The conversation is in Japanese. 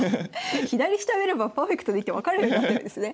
左下を見ればパーフェクトな一手分かるようになってるんですね。